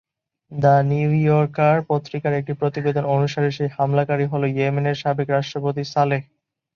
The New Yorker পত্রিকার একটি প্রতিবেদন অনুসারে সেই হামলাকারী হল ইয়েমেনের সাবেক রাষ্ট্রপতি সালেহ।